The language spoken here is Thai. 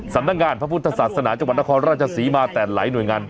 สันทางารพระพุทธศาสตร์สนาจังหวัดนครราชสีมมาแต่หลายหน่วยงาน